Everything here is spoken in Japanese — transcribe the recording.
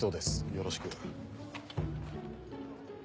よろしく。